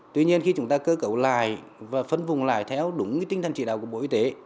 tuy nhiên khi chúng ta cơ cấu lại và phân vùng lại theo đúng tinh thần chỉ đạo của bộ y tế